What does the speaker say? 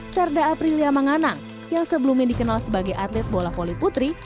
serda aprilia menganang yang sebelumnya dikenal sebagai atlet bola voli putri